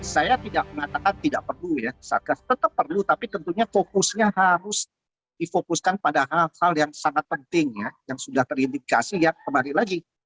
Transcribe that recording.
saya tidak mengatakan tidak perlu ya satgas tetap perlu tapi tentunya fokusnya harus difokuskan pada hal hal yang sangat penting ya yang sudah terindikasi ya kembali lagi